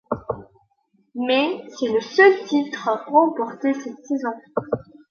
Mais, c'est le seul titre remporté cette saison.